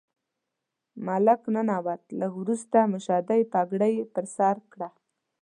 ملک ننوت، لږ وروسته مشدۍ پګړۍ یې پر سر کړه.